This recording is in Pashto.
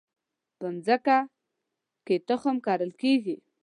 په مځکه کې تخم کرل کیږي